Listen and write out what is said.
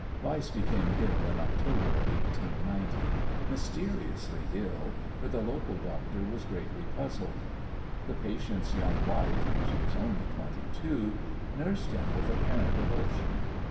Weiss became ill in October, 1890, mysteriously ill, for the local doctor was greatly puzzled. The patient's young wife she was only twenty two nursed him with apparent devotion.